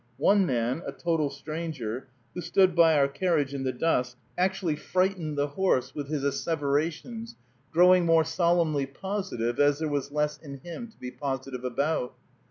One man, a total stranger, who stood by our carriage in the dusk, actually frightened the horse with his asseverations, growing more solemnly positive as there was less in him to be positive about.